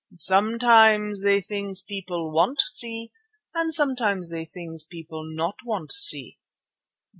"Sometimes they things people want see, and sometimes they things people not want see."